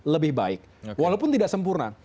lebih baik walaupun tidak sempurna